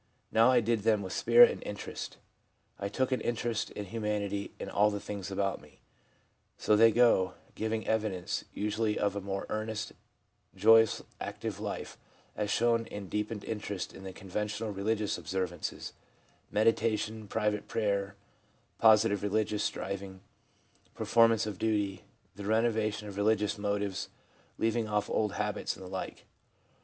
Now I did them with spirit and interest. I took an interest in humanity and all the things about me/ So they go, giving evidence usually of a more earnest, joyous, active life, as shown in deepened interest in the conventional religious observances, meditation, private prayer, positive religious striving, performance of duty, the renovation of religious motives, leaving off old habits, and the like.